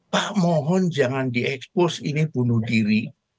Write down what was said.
pak mohon jangan diekspos ini bunuh diri